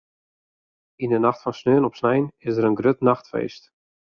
Yn 'e nacht fan sneon op snein is der in grut nachtfeest.